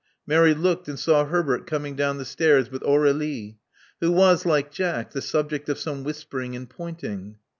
Mary looked and saw Herbert coming down the stairs with Aur61ie, who was, like Jack, the subject of some whispering and pointing.